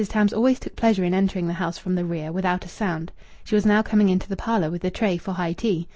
Tams always took pleasure in entering the house from the rear, without a sound. She was now coming into the parlour with the tray for high tea.